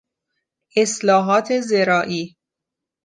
اصلاحات زراعی